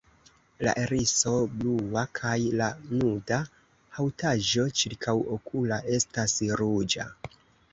La iriso blua kaj la nuda haŭtaĵo ĉirkaŭokula estas ruĝa.